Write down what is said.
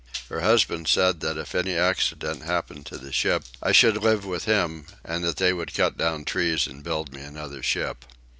Her husband said that if any accident happened to the ship I should live with him and that they would cut down trees and build me another ship.